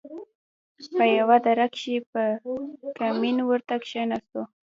په يوه دره کښې په کمين ورته کښېناستو.